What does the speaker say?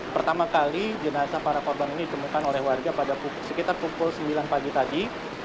pertama kali jenazah para korban ini ditemukan oleh warga pada sekitar pukul sembilan pagi tadi